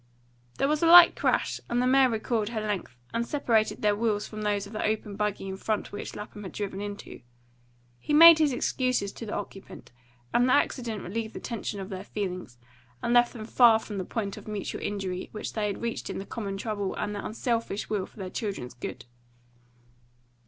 There was a light crash, and the mare recoiled her length, and separated their wheels from those of the open buggy in front which Lapham had driven into. He made his excuses to the occupant; and the accident relieved the tension of their feelings, and left them far from the point of mutual injury which they had reached in their common trouble and their unselfish will for their children's good.